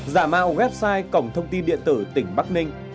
giả mạo website cổng thông tin điện tử tỉnh bắc ninh